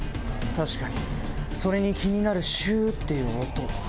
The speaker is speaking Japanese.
確かにそれに気になるシューっていう音。